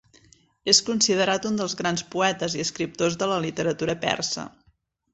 És considerat un dels grans poetes i escriptors de la literatura persa.